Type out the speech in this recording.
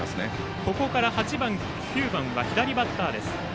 ここから８番、９番は左バッターです。